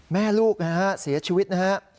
แม่ลูกนะฮะเสียชีวิตนะฮะ